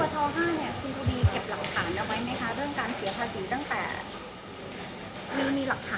อเรนนี่ออบท๕เนี่ยคุณทุบีเก็บหลักฐานเอาไว้ไหมคะเรื่องการเสียภาษีตั้งแต่มีหลักฐานไหมคะ